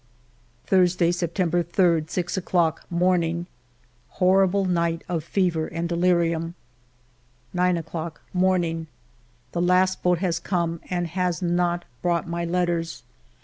Thursday, September 3, 6 o'clock, morning. Horrible night of fever and delirium. ALFRED DREYFUS 109 9 0^ clock, morning. The last boat has come and has not brought my letters